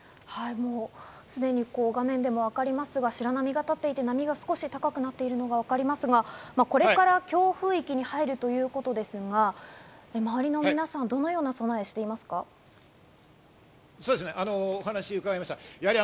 すでに画面でもわかりますが、白波がたっていて、波が少し高くなっているのがわかりますが、これから強風域に入るということですが、周りの皆さん、お話を伺いました。